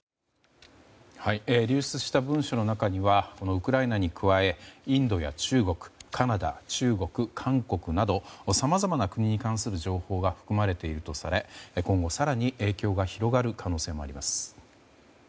流出した文書の中にはウクライナに加えインドや中国、カナダ、韓国などさまざまな国に関する情報が含まれているとされ今後、更に影響が広がる可能性もあります。